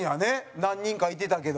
何人かいてたけど。